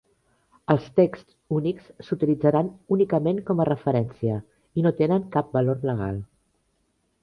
Els texts únics s'utilitzaran únicament com a referència i no tenen cap valor legal.